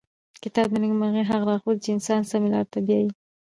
کتاب د نېکمرغۍ هغه لارښود دی چې انسان سمې لارې ته بیايي.